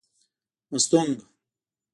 مستونگ